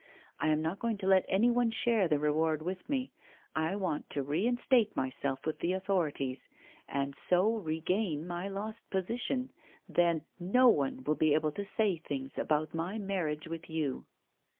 I am not going to let any one share the reward with me. I want to reinstate myself with the authorities, and so regain my lost position, then no one will be able to say things about my marriage with you."